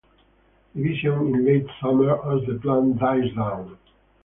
Division in late summer as the plant dies down.